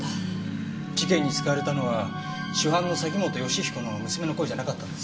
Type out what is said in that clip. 事件に使われたのは主犯の崎本善彦の娘の声じゃなかったんですね。